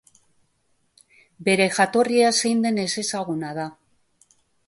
Bere jatorria zein den ezezaguna da.